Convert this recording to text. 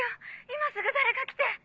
今すぐ誰か来て！